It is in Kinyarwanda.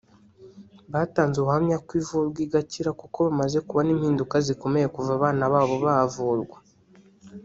batanze ubuhamya ko ivurwa igakira kuko bamaze kubona impinduka zikomeye kuva abana babo bavurwa